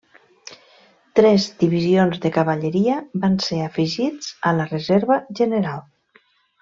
Tres divisions de cavalleria van ser afegits a la reserva general.